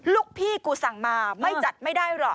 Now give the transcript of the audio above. ลูกพี่กูสั่งมาไม่จัดไม่ได้หรอก